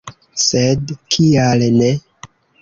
Sed kial ne?